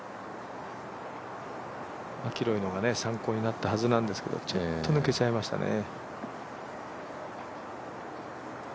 マキロイのが参考になったはずなんですけどちょっと抜けちゃいましたね。